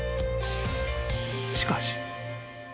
［しかし］